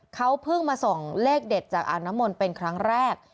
เขาเพิ่งมาส่องเลขเด็ดจากอ่างน้ำมนต์เป็นครั้งแรก